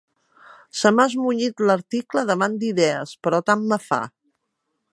Se m'ha esmunyit l'article davant d'idees, però tant me fa.